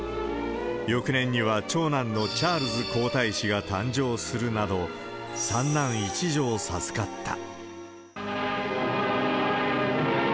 翌年には長男のチャールズ皇太子が誕生するなど、３男１女を授かった。